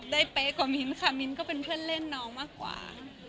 เป๊ะกว่ามิ้นค่ะมิ้นก็เป็นเพื่อนเล่นน้องมากกว่า